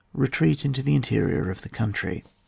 RETREAT INTO THE INTERIOR OF THE COUNTRY.